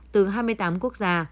từ hai mươi tám quốc gia